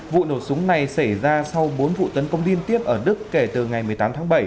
vụ nổ súng này xảy ra sau bốn vụ tấn công liên tiếp ở đức kể từ ngày một mươi tám tháng bảy